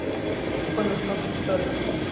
Con los constructores.